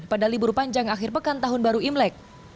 pada libur panjang akhir pekan tahun baru imlek